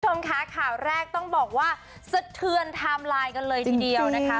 คุณผู้ชมคะข่าวแรกต้องบอกว่าสะเทือนไทม์ไลน์กันเลยทีเดียวนะคะ